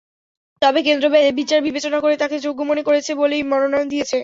তবে কেন্দ্র বিচার-বিবেচনা করে তাঁকে যোগ্য মনে করেছে বলেই মনোনয়ন দিয়েছে।